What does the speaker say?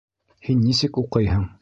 Һин нисек уҡыйһың?